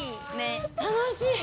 楽しい！